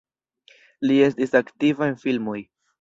Li estis aktiva en filmoj.